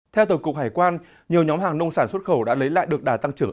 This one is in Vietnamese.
theo tổng cục hải quan nhiều nhóm hàng nông sản xuất khẩu đã lấy lại được đà tăng trưởng